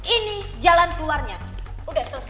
ini jalan keluarnya udah selesai